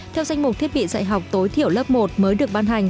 theo danh mục thiết bị dạy học tối thiểu lớp một mới được ban hành